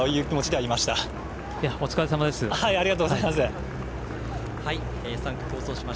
ありがとうございます。